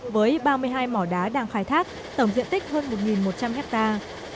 với ba mươi hai mỏ đá đang khai thác tổng diện tích hơn một một trăm linh hectare